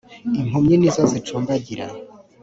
impumyi nizo zicumbagira.